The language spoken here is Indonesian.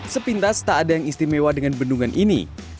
sepintas tak ada yang istimewa dengan bendungan ini